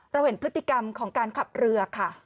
เห็นพฤติกรรมของการขับเรือค่ะ